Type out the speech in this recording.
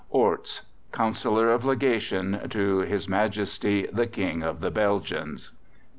ORTS, Councillor of Legation to H.M. the King of the Belgians.